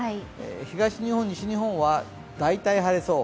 東日本、西日本は大体晴れそう。